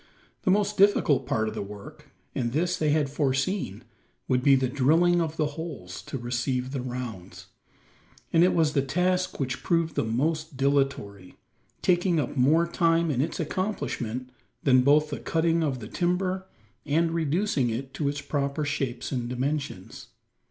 The most difficult part of the work and this they had foreseen would be the drilling of the holes to receive the rounds; and it was the task which proved the most dilatory taking up more time in its accomplishment than both the cutting of the timber, and reducing it to its proper shapes and dimensions.